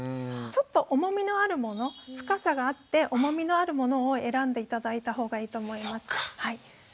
ちょっと重みのあるもの深さがあって重みのあるものを選んで頂いたほうがいいと思います。